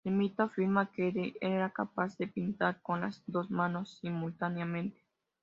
El mito afirma que era capaz de pintar con las dos manos simultáneamente.